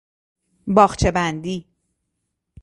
باغچه بندی